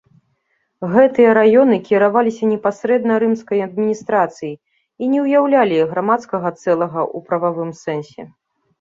Гэтыя раёны кіраваліся непасрэдна рымскай адміністрацыяй і не ўяўлялі грамадскага цэлага ў прававым сэнсе.